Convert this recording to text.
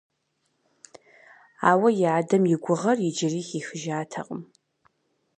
Ауэ и адэм и гугъэр иджыри хихыжатэкъым.